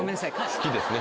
好きですね